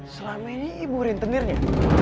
selama ini ibu rentenirnya